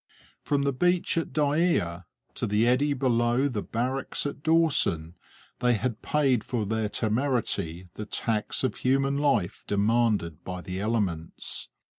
From the beach at Dyea to the eddy below the Barracks at Dawson, they had paid for their temerity the tax of human life demanded by the elements.